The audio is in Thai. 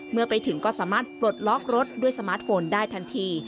เมื่อไปถึงก็สามารถปลดล็อกรถด้วยสมาร์ทโฟนได้ทันที